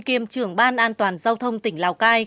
kiêm trưởng ban an toàn giao thông tỉnh lào cai